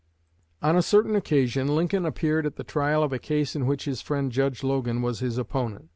'" On a certain occasion Lincoln appeared at the trial of a case in which his friend Judge Logan was his opponent.